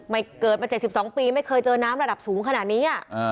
เกิดมา๗๒ปีไม่เคยเจอน้ำระดับสูงขนาดนี้